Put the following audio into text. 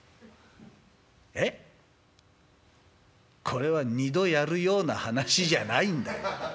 「これは２度やるような話じゃないんだよ。